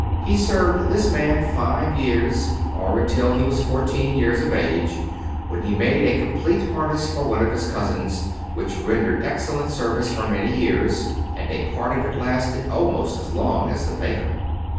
He served this man five years, or until he was fourteen years of age, when he made a complete harness for one of his cousins, which rendered excellent service for many years, and a part of it lasted almost as long as the maker.